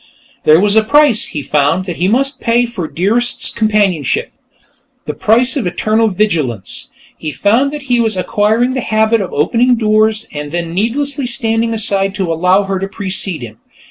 There was a price, he found, that he must pay for Dearest's companionship the price of eternal vigilance. He found that he was acquiring the habit of opening doors and then needlessly standing aside to allow her to precede him.